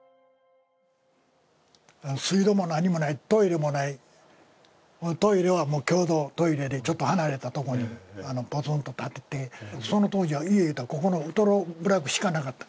水道も何もない、トイレもない、トイレは共同トイレでちょっと離れたところにポツンと建ててその当時は家といったらここのウトロ部落しかなかった。